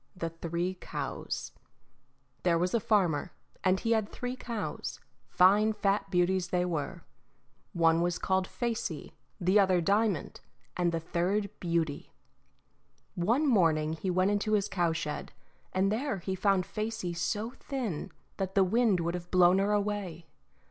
The Three Cows There was a farmer, and he had three cows, fine fat beauties they were. One was called Facey, the other Diamond, and the third Beauty. One morning he went into his cowshed, and there he found Facey so thin that the wind would have blown her away.